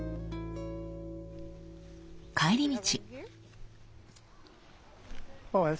帰り道。